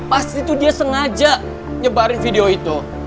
pasti itu dia sengaja nyebarin video itu